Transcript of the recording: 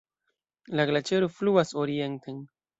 La glaĉero fluas orienten.